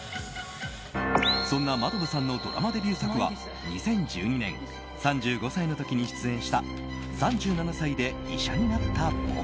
そんな真飛さんのドラマデビュー作は２０１２年３５歳の時に出演した「３７歳で医者になった僕」。